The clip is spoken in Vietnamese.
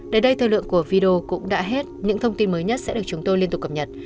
đến đây thời lượng của video cũng đã hết những thông tin mới nhất sẽ được chúng tôi liên tục cập nhật